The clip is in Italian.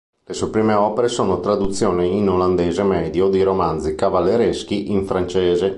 Le sue prime opere sono traduzioni in olandese medio di romanzi cavallereschi in francese.